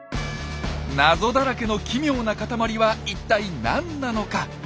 謎だらけの奇妙なかたまりは一体何なのか？